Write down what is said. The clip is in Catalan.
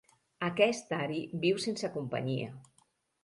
Aquest ari viu sense companyia.